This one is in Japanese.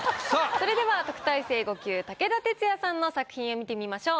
それでは特待生５級武田鉄矢さんの作品を見てみましょう。